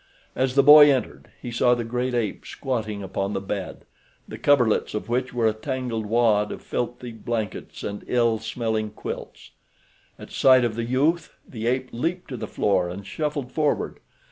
As the boy entered he saw the great ape squatting upon the bed, the coverlets of which were a tangled wad of filthy blankets and ill smelling quilts. At sight of the youth the ape leaped to the floor and shuffled forward.